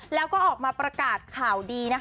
แล้วออกมาแสดงข่าวดี